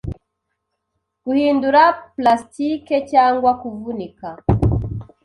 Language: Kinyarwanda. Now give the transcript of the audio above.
guhindura plastikecyangwa kuvunika